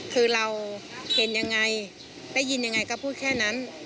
คือเราเห็นยังไงได้ยินยังไงก็พูดแค่นั้น